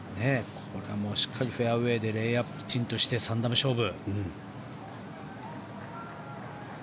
ここもしっかりフェアウェーでレイアップしてきちんとして３打目、勝負。